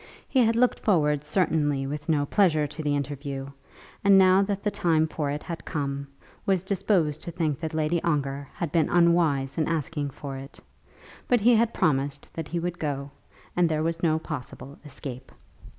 He had looked forward certainly with no pleasure to the interview, and now that the time for it had come, was disposed to think that Lady Ongar had been unwise in asking for it. But he had promised that he would go, and there was no possible escape.